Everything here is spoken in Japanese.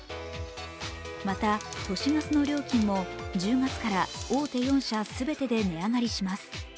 また、都市ガスの料金も１０月から大手４社全てで値上がりします。